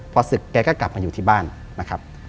พอศึกแกก็กลับมาอยู่ที่บ้านนะครับ